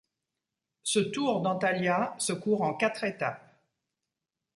Ce Tour d'Antalya se court en quatre étapes.